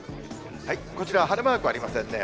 こちら、晴れマークはありませんね。